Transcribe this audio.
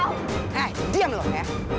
hai diam loh